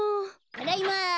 ただいま！